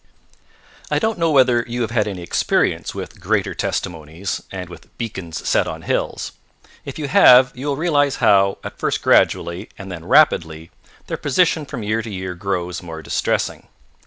I don't know whether you have had any experience with Greater Testimonies and with Beacons set on Hills. If you have, you will realize how, at first gradually, and then rapidly, their position from year to year grows more distressing.